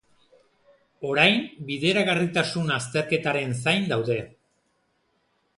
Orain, bideragarritasun azterketaren zain daude.